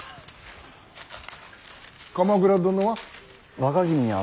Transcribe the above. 鎌倉殿は。